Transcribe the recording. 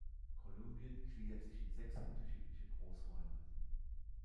Kolumbien gliedert sich in sechs unterschiedliche Großräume.